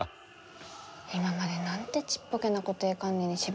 今までなんてちっぽけな固定観念に縛られてきたんだろう。